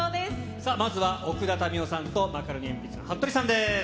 さあ、まずは奥田民生さんとマカロニえんぴつのはっとりさんです。